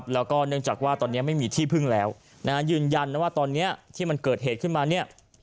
แล้วก็เนื่องจากว่าตอนนี้ไม่มีที่พึ่งแล้วยืนยันนะว่าตอนนี้ที่มันเกิดเหตุขึ้นมาเนี่ย